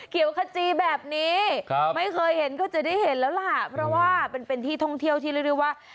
ขจีแบบนี้ไม่เคยเห็นก็จะได้เห็นแล้วล่ะเพราะว่าเป็นที่ท่องเที่ยวที่เรียกได้ว่า